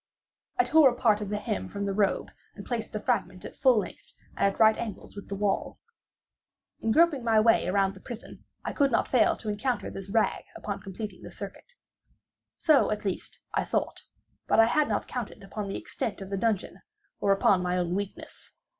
I tore a part of the hem from the robe and placed the fragment at full length, and at right angles to the wall. In groping my way around the prison, I could not fail to encounter this rag upon completing the circuit. So, at least I thought: but I had not counted upon the extent of the dungeon, or upon my own weakness.